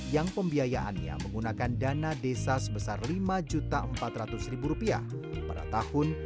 yang pembiayaannya menggunakan dana desa sebesar rp lima empat ratus pada tahun dua ribu dua